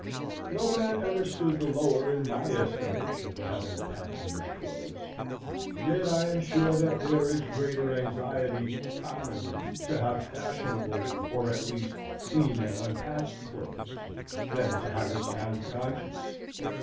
No man ever stood the lower in my estimation for having a patch in his clothes; yet I am sure that there is greater anxiety, commonly, to have fashionable, or at least clean and unpatched clothes, than to have a sound conscience.